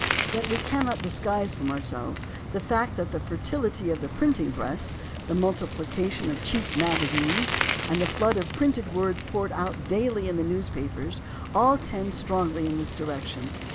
Yet we cannot disguise from ourseh'es the fact that the fertility of the printing press, the multi plication of cheap magazines, and the flood of printed words poured out daily in the newspapers all tend strongly in this direction.